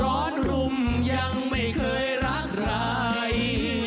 ร้อนรุ่มยังไม่เคยรักใคร